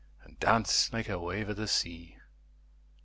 'And dance like a wave of the sea.